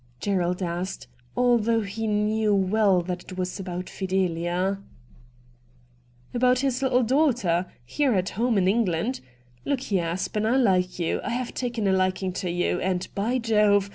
Gerald asked, although he knew well that it was about Fidelia. 240 RED DIAMONDS ' About his little daughter — here at home in England. Look here, Aspen, I like you — I have taken a liking to you — and, by Jove